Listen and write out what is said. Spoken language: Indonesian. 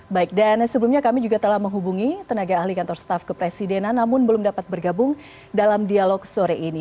baik dan sebelumnya kami juga telah menghubungi tenaga ahli kantor staf kepresidenan namun belum dapat bergabung dalam dialog sore ini